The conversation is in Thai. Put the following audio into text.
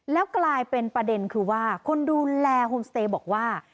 แล้วกลายเป็นประเด็นคือว่าคนดูแลโฮมสเตย์บอกว่า